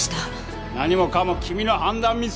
何もかも君の判断ミス！